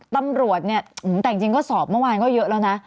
ตำรวจเนี่ยแต่จริงก็สอบเมื่อวานก็เยอะแล้วนะ